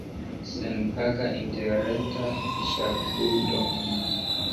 Senpaga interreta ŝakludo.